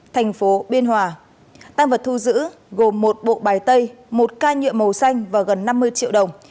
tp biên hòa tang vật thu giữ gồm một bộ bài tây một ca nhựa màu xanh và gần năm mươi triệu đồng